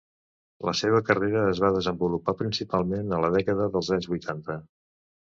La seva carrera es va desenvolupar principalment a la dècada dels anys vuitanta.